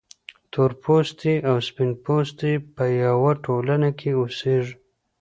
تورپوستي او سپین پوستي په یوه ټولنه کې اوسیږي.